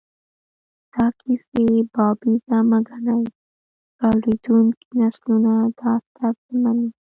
دا کیسې بابیزه مه ګڼئ، را لویېدونکي نسلونه دا هر څه مني.